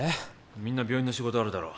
みんな病院の仕事あるだろ